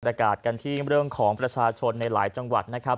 ตกาลการทีร่วมก็ของประชาชนในหลายจังหวัดนะครับ